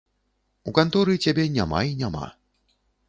У канторы цябе няма і няма.